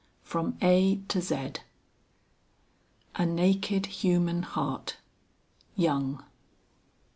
FROM A. TO Z. "A naked human heart." YOUNG.